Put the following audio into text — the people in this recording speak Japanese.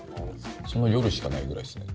夜しかないぐらいですね